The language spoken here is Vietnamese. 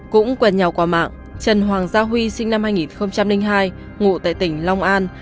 cũng quen nhau qua mạng trần hoàng gia huy sinh năm hai nghìn hai ngụ tại tỉnh long an